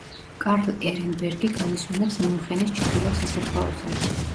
კარლ ერენბერგი განისვენებს მიუნხენის ჩრდილო სასაფლაოზე.